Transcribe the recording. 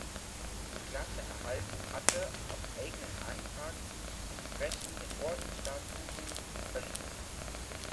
Klasse erhalten hatte, auf eigenen Antrag entsprechend der Ordensstatuten verliehen.